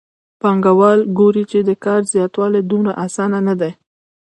پانګوال ګوري چې د کار زیاتول دومره اسانه نه دي